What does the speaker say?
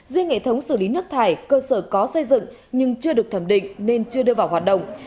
riêng hệ thống xử lý nước thải cơ sở có xây dựng nhưng chưa được thẩm định nên chưa đưa vào hoạt động